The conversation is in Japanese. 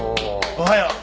おはよう。